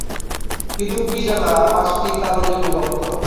ইদুক্কি জেলা পাঁচটি তালুকে বিভক্ত।